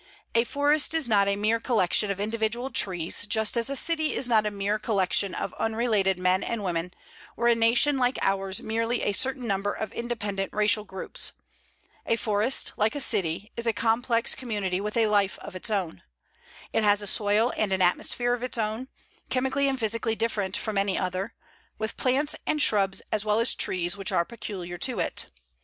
A forest is not a mere collection of individual trees, just as a city is not a mere collection of unrelated men and women, or a Nation like ours merely a certain number of independent racial groups. A forest, like a city, is a complex community with a life of its own. It has a soil and an atmosphere of its own, chemically and physically different from any other, with plants and shrubs as well as trees which are peculiar to it.